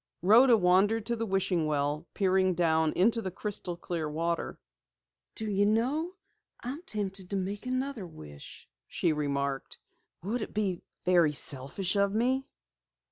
Rhoda wandered to the wishing well, peering down into the crystal clear water. "Do you know, I'm tempted to make another wish," she remarked. "Would it be very selfish of me?"